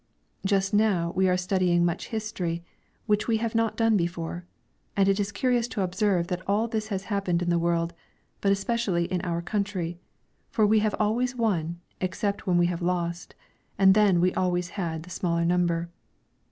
Just now we are studying much history, which we have not done before, and it is curious to observe all that has happened in the world, but especially in our country, for we have always won, except when we have lost, and then we always had the smaller number.